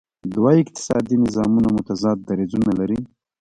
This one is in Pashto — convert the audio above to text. دوه اقتصادي نظامونه متضاد دریځونه لري.